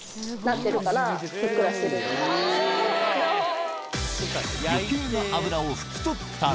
なるほど。